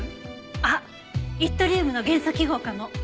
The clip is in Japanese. あっイットリウムの元素記号かも。